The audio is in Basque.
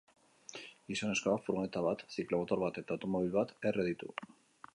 Gizonezkoak furgoneta bat, ziklomotor bat eta automobil bat erre ditu.